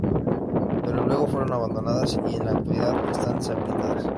Pero luego fueron abandonadas y en la actualidad están deshabitadas.